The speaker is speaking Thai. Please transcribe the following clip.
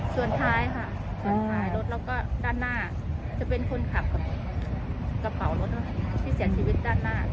ส่วนท้ายค่ะส่วนท้ายรถแล้วก็ด้านหน้าจะเป็นคนขับกับกระเป๋ารถที่เสียชีวิตด้านหน้า